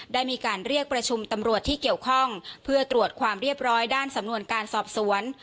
ได้มีการเรียกประชุมตำรวจที่เกี่ยวข้องเพื่อตรวจความเรียบร้อยด้านสำนวนการสอบสวน